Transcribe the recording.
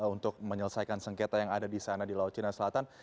untuk menyelesaikan sengketa yang ada di sana di laut cina selatan